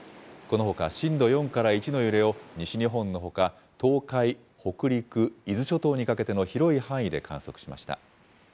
このほか、震度４から１の揺れを西日本のほか、東海、北陸、伊豆諸島にかけての広い範囲で観測しました。